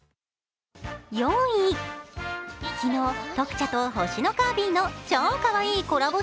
４位、昨日、特茶と星のカービィの超かわいいコラボ